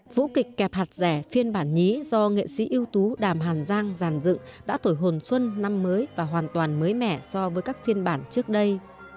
vũ kịch kẹp hạt rẻ phiên bản nhí do nghệ sĩ ưu tú đàm hàn giang giàn dựng đã thổi hồn xuân năm mới và hoàn toàn mới mẻ so với các phiên bản trước đây